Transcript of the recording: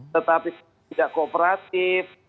tetapi tidak kooperatif